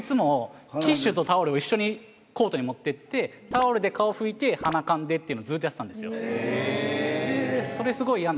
ティッシュとタオルを一緒にコートに持ってってタオルで顔拭いて鼻かんでっていうのをずっとやってたんですよ。